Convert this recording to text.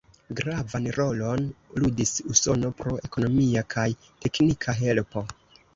Gravan rolon ludis Usono pro ekonomia kaj teknika helpo.